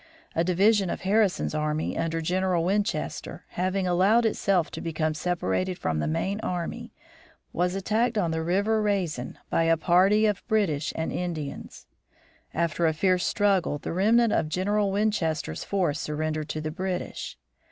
A division of Harrison's army, under General Winchester, having allowed itself to become separated from the main army, was attacked on the River Raisin by a party of British and Indians. After a fierce struggle the remnant of General Winchester's force surrendered to the British.